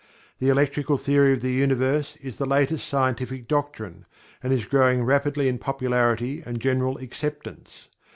The "Electrical Theory of the Universe" is the latest scientific doctrine, and is growing rapidly in popularity and general acceptance.